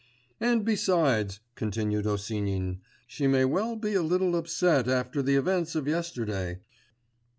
'And besides,' continued Osinin, 'she may well be a little upset after the events of yesterday!